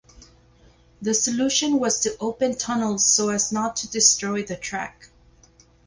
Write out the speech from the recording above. The solution was to open tunnels so as not to destroy the track.